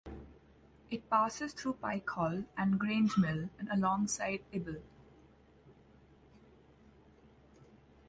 It passes through Pikehall and Grangemill and alongside Ible.